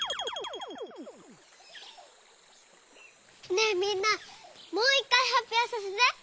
ねえみんなもういっかいはっぴょうさせて。